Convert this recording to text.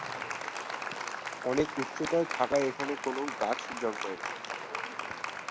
অনেক উচ্চতায় থাকায় এখানে কোনো গাছ জন্মায় না।